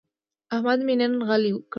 احمد مې نن غلی کړ.